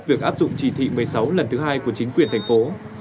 việc áp dụng chỉ thị một mươi sáu lần thứ hai của chính quyền thành phố